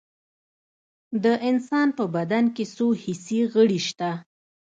د انسان په بدن کې څو حسي غړي شته